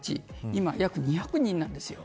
今、約２００人なんです。